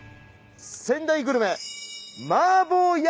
仙台グルメ。